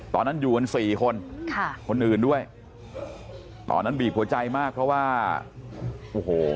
ตอนนั้นอยู่กันสี่คนค่ะคนอื่นด้วยตอนนั้นบีบหัวใจมากเพราะว่าโอ้โห